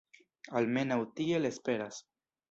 Almenaŭ tiel esperas.